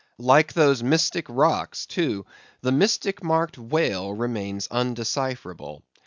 Like those mystic rocks, too, the mystic marked whale remains undecipherable.